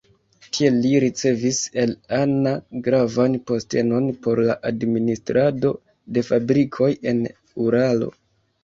Tiel li ricevis el Anna gravan postenon por la administrado de fabrikoj en Uralo.